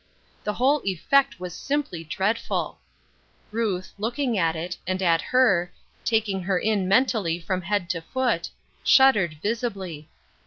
The whole effect was simply dreadfid ! Ruth, looking at it, and at her, taking her in mentally from head to foot, shuddered visibly.